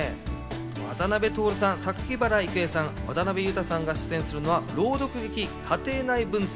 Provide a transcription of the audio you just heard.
渡辺徹さん、榊原郁恵さん、渡辺裕太さんが出演するのは朗読劇『家庭内文通』。